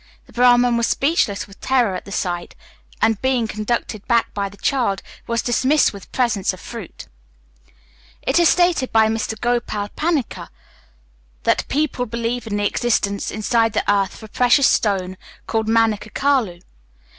The Brahman was speechless with terror at the sight, and, being conducted back by the child, was dismissed with presents of fruits." It is stated by Mr Gopal Panikkar that, "people believe in the existence inside the earth of a precious stone called manikkakkallu.